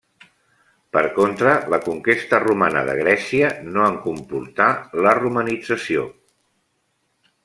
Per contra, la conquesta romana de Grècia no en comportà la romanització.